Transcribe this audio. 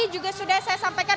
juga sudah saya sampaikan